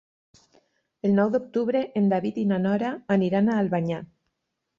El nou d'octubre en David i na Nora aniran a Albanyà.